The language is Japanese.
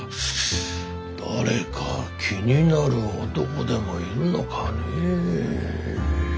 誰か気になる男でもいるのかねえ。